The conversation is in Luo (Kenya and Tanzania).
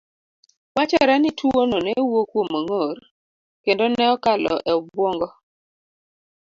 Wachore ni tuwono ne wuok kuom ong'or, kendo ne okalo e obwongo